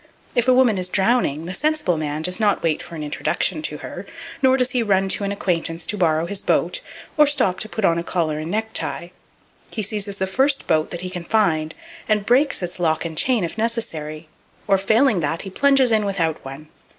If a woman is drowning, the sensible man does not wait for an introduction to her; nor does he run to an acquaintance to borrow his boat, or stop to put on a collar and necktie. He seizes the first boat that he can find, and breaks its lock and chain if necessary; or, failing that, he plunges in without one.